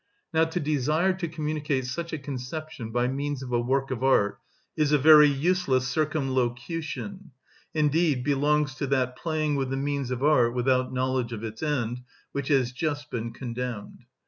Now to desire to communicate such a conception by means of a work of art is a very useless circumlocution, indeed belongs to that playing with the means of art without knowledge of its end which has just been condemned.